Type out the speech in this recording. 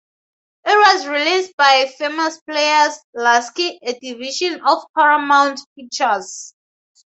It was released by Famous Players-Lasky, a division of Paramount Pictures.